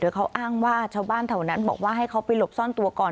เขาอ้างว่าชาวบ้านแถวนั้นบอกว่าให้เขาไปหลบซ่อนตัวก่อน